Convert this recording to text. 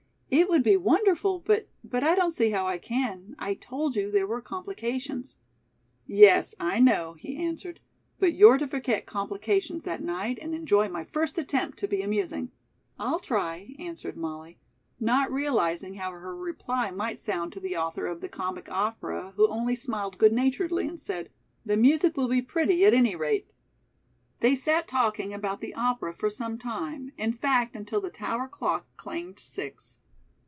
"It would be wonderful, but but I don't see how I can. I told you there were complications." "Yes, I know," he answered, "but you're to forget complications that night and enjoy my first attempt to be amusing." "I'll try," answered Molly, not realizing how her reply might sound to the author of the comic opera, who only smiled good naturedly and said: "The music will be pretty at any rate." They sat talking about the opera for some time, in fact, until the tower clock clanged six.